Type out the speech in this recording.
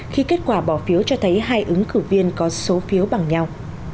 khi kết quả bỏ phiếu cho thấy hai ứng cử viên có số phiếu bằng nhau